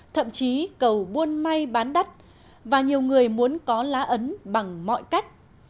thậm chí cầu buôn may bán đắt và nhiều người muốn có lá ấn bằng mọi cách